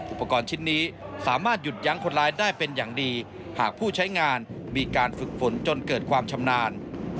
อุปกรณ์ชิ้นนี้สามารถหยุดยั้งคนร้ายได้เป็นอย่างดีหากผู้ใช้งานมีการฝึกฝนจนเกิดความชำนาญ